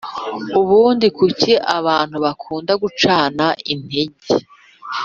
ubundi kuki abantu bakunda gucana intege